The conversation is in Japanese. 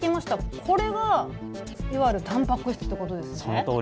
これがいわゆるたんぱく質ということですね。